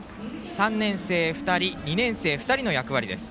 ３年生２人２年生２人の役割です。